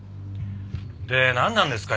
でなんなんですか？